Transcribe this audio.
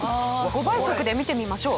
５倍速で見てみましょう。